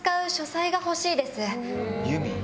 由美。